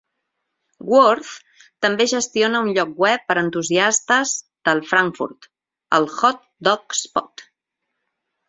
Worth també gestiona un lloc web per a entusiastes del frankfurt, el "Hot Dog Spot".